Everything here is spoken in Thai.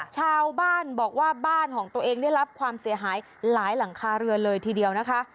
ชาวบ้านบอกว่าบ้านของตัวเองได้รับความเสียหายหลายหลังคาเรือนเลยทีเดียวนะคะ